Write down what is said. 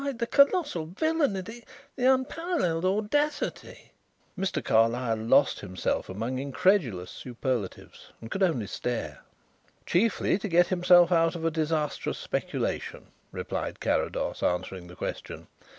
The colossal villainy, the unparalleled audacity!" Mr. Carlyle lost himself among incredulous superlatives and could only stare. "Chiefly to get himself out of a disastrous speculation," replied Carrados, answering the question.